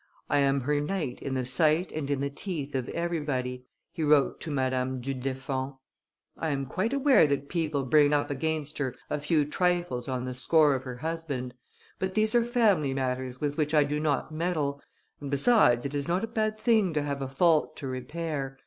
"I am her knight in the sight and in the teeth of everybody," he wrote to Madame du Deffand; "I am quite aware that people bring up against her a few trifles on the score of her husband; but these are family matters with which I do not meddle, and besides it is not a bad thing to have a fault to repair.